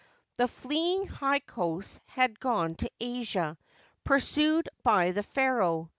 The fleeing Hyksos had gone to Asia, pursued by the pharaoh.